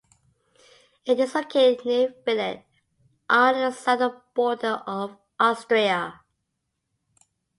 It is located near Villach on the southern border of Austria.